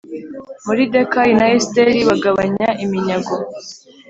Moridekayi na Esiteri bagabanya iminyago